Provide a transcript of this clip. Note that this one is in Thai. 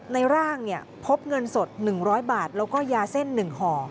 ในร่างพบเงินสด๑๐๐บาทแล้วก็ยาเส้น๑ห่อ